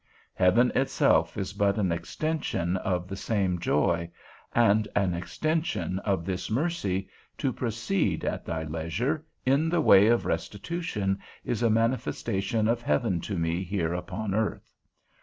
Heaven itself is but an extension of the same joy; and an extension of this mercy, to proceed at thy leisure, in the way of restitution, is a manifestation of heaven to me here upon earth.